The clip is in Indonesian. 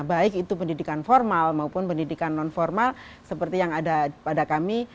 baik itu pendidikan formal maupun pendidikan non formal seperti yang ada pada kami